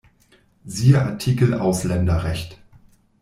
Siehe Artikel Ausländerrecht.